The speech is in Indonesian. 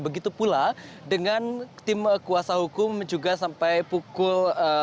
begitu pula dengan tim kuasa hukum juga sampai pukul